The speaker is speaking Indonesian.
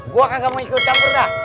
gua akan kamu ikut campur dah